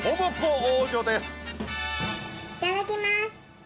いただきます！